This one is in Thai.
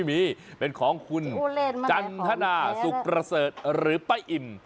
มีเป็นของคุณจันทนาสุขประเสริฐหรือป้าอิ่ม